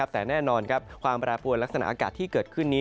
แต่แน่นอนความแปรปวนลักษณะอากาศที่เกิดขึ้นนี้